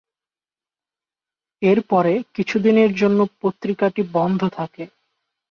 এর পরে কিছুদিনের জন্য পত্রিকাটি বন্ধ থাকে।